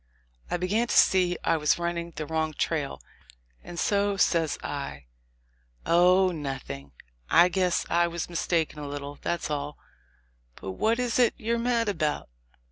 I began to see I was running the wrong trail, and so says I, "Oh! nothing: I guess I was mistaken a little, that's all. But what is it you're mad about?"